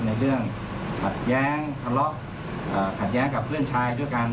ในเรื่องขัดแย้งกับเพื่อนชายด้วยกัน